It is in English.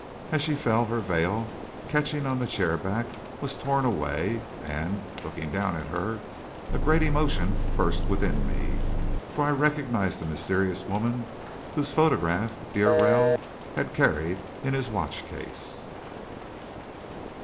As she fell, her veil, catching on the chair back, was torn away; and, looking down at her, a great emotion burst within me, for I recognised the mysterious woman whose photograph d'Aurelle had carried in his watch case.